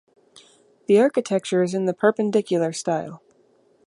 The architecture is in the perpendicular style.